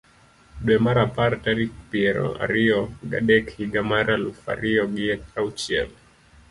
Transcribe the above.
dwe mar apar tarik piero ariyo ga dek higa mar aluf ariyo gi auchiel ,